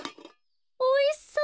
おいしそう。